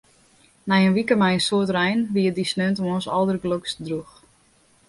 Nei in wike mei in soad rein wie it dy sneontemoarns aldergelokst drûch.